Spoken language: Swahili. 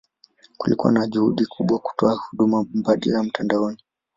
Kulikuwa na juhudi kubwa kutoa huduma mbadala mtandaoni.